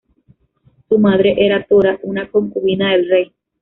Su madre era Tora, una concubina del rey.